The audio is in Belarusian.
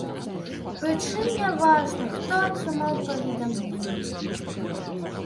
Прычым няважна, хто атрымаў паведамленне.